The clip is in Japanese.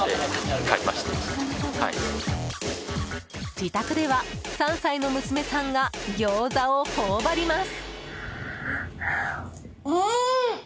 自宅では、３歳の娘さんがギョーザを頬張ります。